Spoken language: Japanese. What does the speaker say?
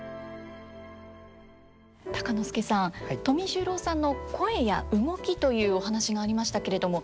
鷹之資さん富十郎さんの声や動きというお話がありましたけれども。